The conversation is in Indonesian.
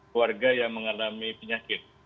keluarga yang mengalami penyakit